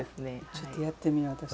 ちょっとやってみよう、私も。